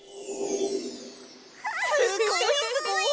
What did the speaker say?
すごいすごい！